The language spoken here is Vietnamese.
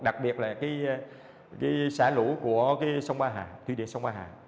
đặc biệt là cái xả lũ của sông ba hà thủy điện